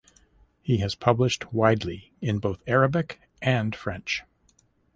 He has published widely in both Arabic and French.